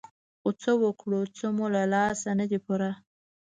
خو څه وکړو څه مو له لاسه نه دي پوره.